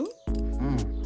うん。